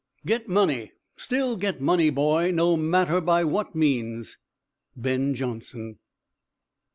Get money; still get money, boy, no matter by what means. _Ben Jonson.